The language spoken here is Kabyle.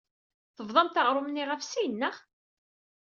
Tebḍamt aɣrum-nni ɣef sin, naɣ?